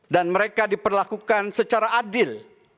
dan mereka diperlakukan secara adil